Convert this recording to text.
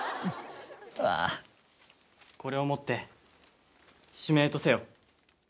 「これをもって酒名とせよ」